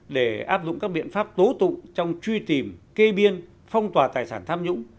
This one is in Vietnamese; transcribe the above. để áp dụng các biện pháp tố tụng trong truy tìm kê biên phong tỏa tài sản tham nhũng